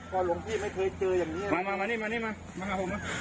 พอหลวงพี่ไม่เคยเจออย่างเงี้ยมามามานี่มานี่มามาค่ะหลวงมา